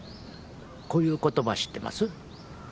こういう言葉知ってます？